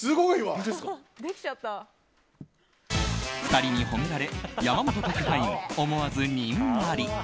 ２人に褒められ山本特派員、思わずにんまり。